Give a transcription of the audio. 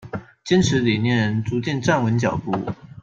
堅持理念，逐漸站穩腳步